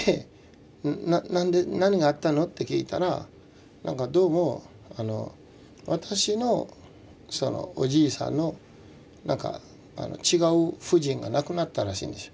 で何があったの？って聞いたらなんかどうも私のそのおじいさんの違う夫人がなくなったらしいんですよ。